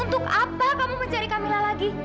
untuk apa kamu mencari camilla lagi